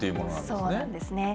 そうなんですね。